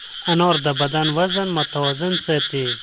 انار د بدن وزن متوازن ساتي.